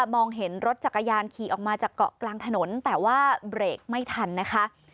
มองเห็นรถจักรยานขี่ออกมาจากเกาะกลางถนนแต่ว่าเบรกไม่ทันนะคะ